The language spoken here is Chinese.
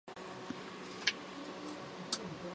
娶宰相吴充长女。